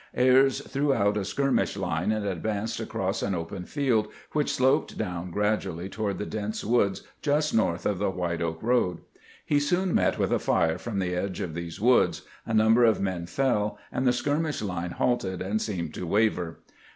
Ayres threw out a skirmish line and advanced across an open field which sloped down gradually toward the dense woods just north of the White Oak road. He soon met with a fire from the edge of these woods, a number of men fell, and the skirmish line halted and seemed to waver.